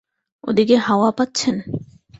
ও দিকে হাওয়া পাচ্ছেন?